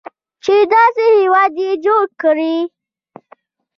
چې داسې هیواد یې جوړ کړی.